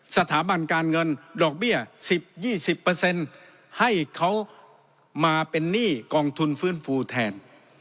สถาบันการเงินดอกเบี้ย๑๐๒๐ให้เขามาเป็นหนี้กองทุนฟื้นฟูแทน